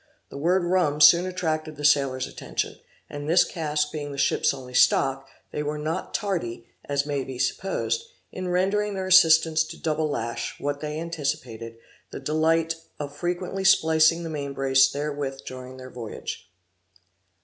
The word rum soon attracted the sailor's attention, and this cask being the ship's only stock, they were not tardy (as may be supposed) in rendering their assistance to double lash, what they anticipated the delight, of frequently splicing the mainbrace therewith during their voyage.